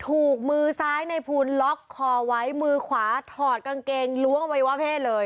ถูกมือซ้ายในภูลล็อกคอไว้มือขวาถอดกางเกงล้วงอวัยวะเพศเลย